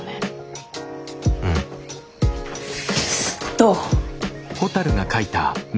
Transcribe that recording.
どう？